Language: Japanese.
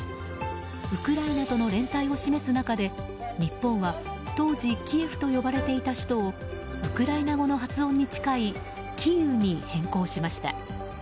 ウクライナとの連帯を示す中で日本は、当時キエフと呼ばれていた首都をウクライナ語の発音に近いキーウに変更しました。